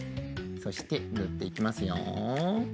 そしてぬっていきますよ。